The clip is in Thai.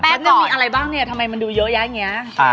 นึงมีอะไรบ้างเนี่ยทำไมมันดูเยอะแยะอย่างนี้